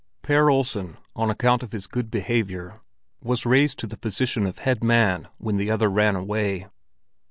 Per Olsen, on account of his good behavior, was raised to the position of head man when the other ran away.